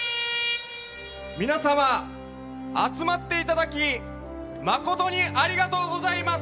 皆様、集まっていただきまことにありがとうございます。